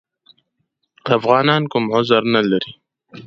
افغانان کوم عذر نه لري.